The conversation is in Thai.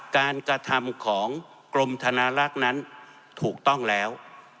การกระทำของกรมธนาลักษณ์นั้นถูกต้องแล้ว